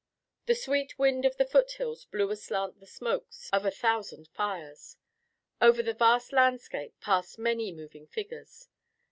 The sweet wind of the foothills blew aslant the smokes of a thousand fires. Over the vast landscape passed many moving figures.